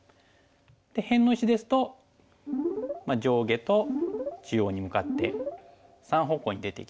で辺の石ですと上下と中央に向かって３方向に出ていきます。